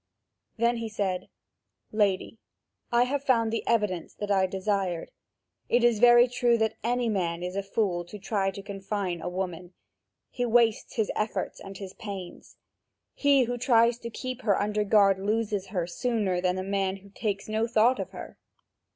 Then he said: "Lady, now I have found the evidence that I desired. It is very true that any man is a fool to try to confine a woman: he wastes his efforts and his pains. He who tries to keep her under guard loses her sooner than the man who takes no thought of her.